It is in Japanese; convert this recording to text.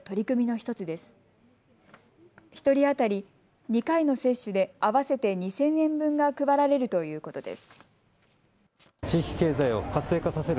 １人当たり、２回の接種で合わせて２０００円分が配られるということです。